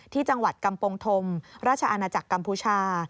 ที่จังหวัดกำปงธมราชอาณาจักรกัมพูชา